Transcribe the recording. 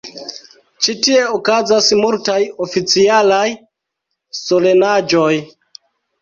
Ĉi tie okazas multaj oficialaj solenaĵoj.